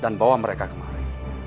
dan bawa mereka kemari